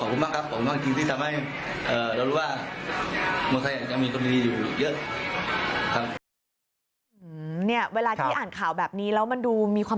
ขอบคุณมากครับขอบคุณมากจริงที่ทำให้เรารู้ว่า